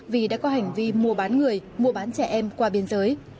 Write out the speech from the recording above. vì đã có hành vi mua bán người mua bán trẻ em qua biên giới